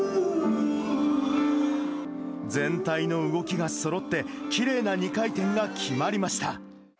全体の動きがそろって、きれいな２回転が決まりました。